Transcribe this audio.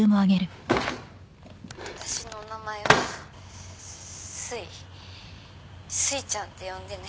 「私の名前はすい」「すいちゃんって呼んでね」